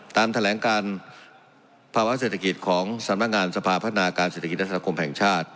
ตามแถลงการภาวะเศรษฐกิจของสำนักงานสภาพัฒนาการเศรษฐกิจและสังคมแห่งชาติ